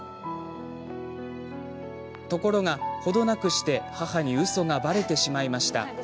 ところが、程なくして母にうそがばれてしまいました。